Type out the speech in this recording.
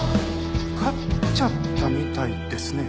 勝っちゃったみたいですね。